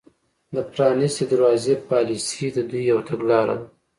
د پرانیستې دروازې پالیسي د دوی یوه تګلاره ده